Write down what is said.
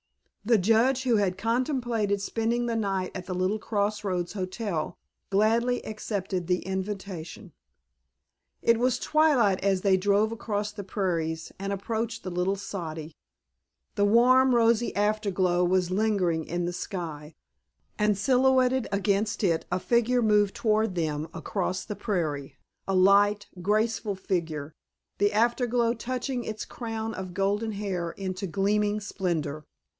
The Judge, who had contemplated spending the night at the little cross roads hotel, gladly accepted the invitation. It was twilight as they drove across the prairies and approached the little soddy. The warm rosy afterglow was lingering in the sky, and silhouetted against it a figure moved toward them across the prairie, a light, graceful figure, the after glow touching its crown of golden hair into gleaming splendor.